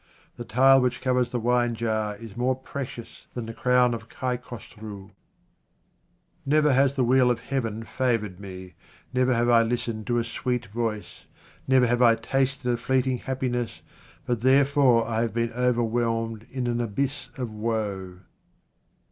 The tile which covers the winejar is more pre cious than the crown of Kai Khosrou. QUATRAINS OF OMAR KHAYYAM Never has the wheel of Heaven favoured me, never have I listened to a sweet voice, never have I tasted a fleeting happiness, but therefor I have been overwhelmed in an abyss of woe.